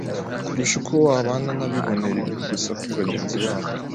kurusha ko wabana n’abibonera ibibi gusa kuri bagenzi babo.